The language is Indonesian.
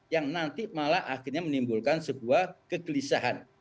yang nanti malah akhirnya menimbulkan sebuah kegelisahan